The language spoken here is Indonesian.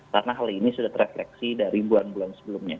karena hal ini sudah terefleksi dari ribuan bulan sebelumnya